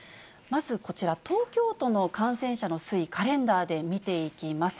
まず、こちら、東京都の感染者の推移、カレンダーで見ていきます。